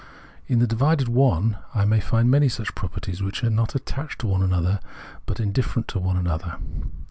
In the divided " one " I find many such properties, which are not attached to one another, but indifferent to one another.